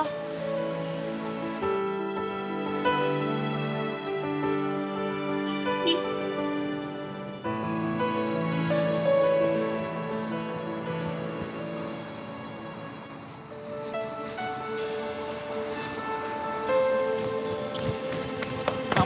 nwok di mana lagi